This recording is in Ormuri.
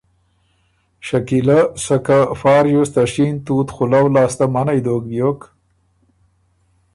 شکیلۀ سکه فا ریوز ته شېن تُوت خُلؤ لاسته منعئ دوک بیوک،